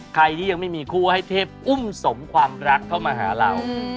ใครที่ยังไม่มีคู่ให้เทพอุ้มสมความรักเข้ามาหาเรา